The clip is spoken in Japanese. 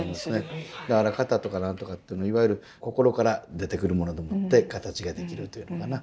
だから型とか何とかっていうのいわゆる心から出てくるものでもって形が出来るというのかな。